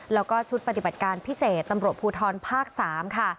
แล้วก็ชุดปฏิบัติการพิเศษตำรวจภูทรภาค๓ค่ะ